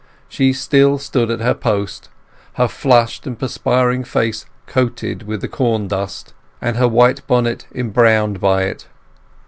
She still stood at her post, her flushed and perspiring face coated with the corndust, and her white bonnet embrowned by it.